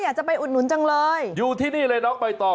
อยากจะไปอุดหนุนจังเลยอยู่ที่นี่เลยน้องใบตอง